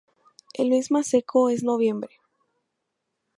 El mes más seco es noviembre.